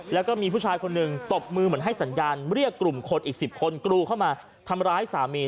แล้วก็มีผู้ชายคนหนึ่งตบมือเหมือนให้สัญญาณเรียกกลุ่มคนอีก๑๐คนกรูเข้ามาทำร้ายสามี